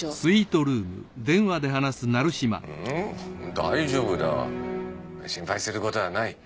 大丈夫だ心配することはない。